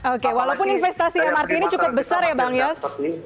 oke walaupun investasi mrt ini cukup besar ya bang yos